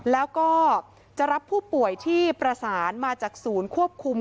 แล้วก็จะรับผู้ป่วยที่ประสานมาจากศูนย์ควบคุม